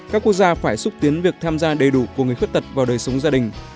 các quốc gia phải xúc tiến việc tham gia đầy đủ của người khuyết tật vào đời sống gia đình